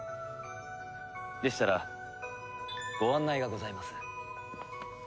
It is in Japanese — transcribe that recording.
でしたらご案内がございます。